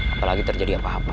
apalagi terjadi apa apa